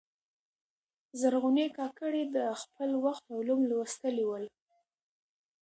زرغونې کاکړي د خپل وخت علوم لوستلي ول.